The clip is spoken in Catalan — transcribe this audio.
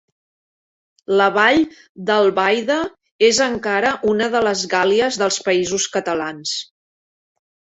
La Vall d'Albaida és encara una de les "Gàl·lies" dels Països Catalans.